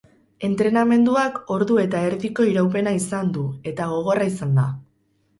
Entrenamenduak ordu eta erdiko iraupena izan du eta gogorra izan da.